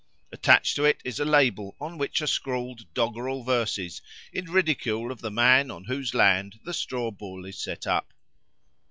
Attached to it is a label on which are scrawled doggerel verses in ridicule of the man on whose land the Straw bull is set up.